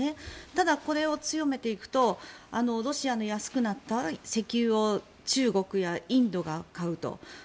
ただ、これを強めていくとロシアの安くなった石油を中国やインドが買うと。